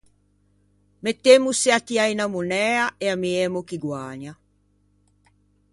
Mettemmose à tiâ unna monæa e ammiemmo chi guägna.